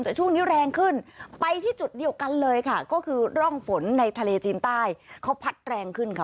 แต่ช่วงนี้แรงขึ้นไปที่จุดเดียวกันเลยค่ะก็คือร่องฝนในทะเลจีนใต้เขาพัดแรงขึ้นค่ะ